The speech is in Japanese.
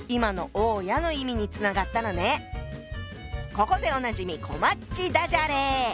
ここでおなじみこまっちダジャレ！